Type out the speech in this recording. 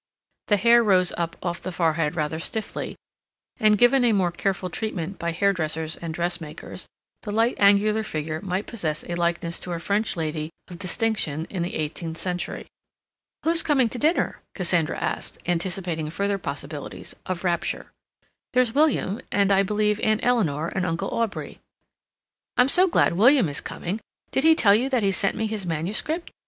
The hair rose up off the forehead rather stiffly, and, given a more careful treatment by hairdressers and dressmakers, the light angular figure might possess a likeness to a French lady of distinction in the eighteenth century. "Who's coming to dinner?" Cassandra asked, anticipating further possibilities of rapture. "There's William, and, I believe, Aunt Eleanor and Uncle Aubrey." "I'm so glad William is coming. Did he tell you that he sent me his manuscript?